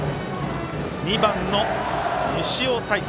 ２番の西尾太晴。